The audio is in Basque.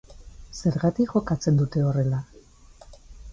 Zergatik jokatzen dute horrela?